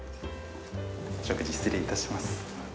お食事、失礼いたします。